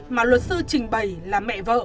mà luật sư trình bày là mẹ vợ